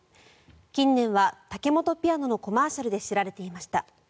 近年はタケモトピアノのコマーシャルで知られていました。